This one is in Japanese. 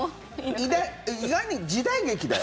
意外に時代劇だよ。